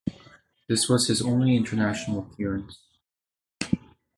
This was his only international appearance.